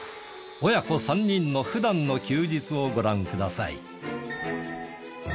親子３人の普段の休日をご覧ください。